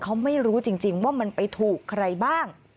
เขาไม่รู้จริงว่ามันไปถูกใครบ้าง